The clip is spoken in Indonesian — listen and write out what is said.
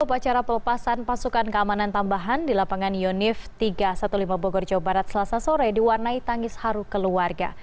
upacara pelepasan pasukan keamanan tambahan di lapangan yonif tiga ratus lima belas bogor jawa barat selasa sore diwarnai tangis haru keluarga